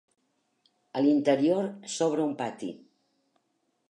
A l'interior s'obre un pati.